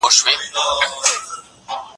نه پوهېږي دا وګـړي